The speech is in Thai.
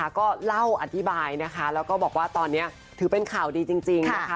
ก็เล่าอธิบายนะคะแล้วก็บอกว่าตอนนี้ถือเป็นข่าวดีจริงนะคะ